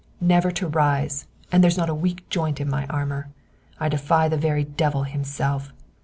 Never to rise, and there's not a weak joint in my armor. I defy the very devil himself!